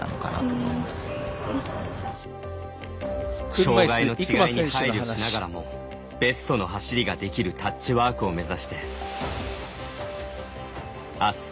障がいの違いに配慮しながらもベストの走りができるタッチワークを目指してあす